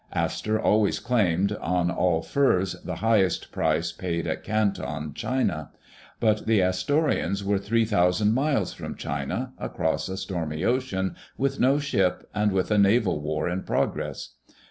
Astor always claimed, on all furs, the highest price paid at Canton, China. But the Astorians were three thousand miles from China, across a stormy ocean, with no ship, and with a naval war in progress.